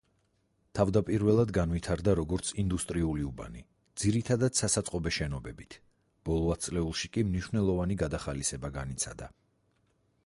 თავდაპირველად განვითარდა როგორც ინდუსტრიული უბანი, ძირითადად სასაწყობე შენობებით, ბოლო ათწლეულში კი მნიშვნელოვანი გადახალისება განიცადა.